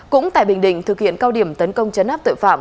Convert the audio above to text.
cũng tại bình định thực hiện cao điểm tấn công chấn áp tội phạm